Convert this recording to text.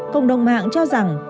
cộng đồng mạng cho rằng